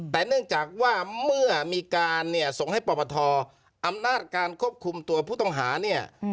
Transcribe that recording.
แต่เนื่องจากว่าเมื่อมีการเนี่ยส่งให้ปปทอำนาจการควบคุมตัวผู้ต้องหาเนี่ย